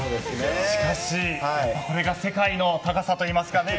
しかし、これが世界の高さといいますかね。